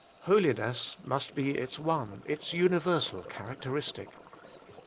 Holiness must be its one, its universal characteristic.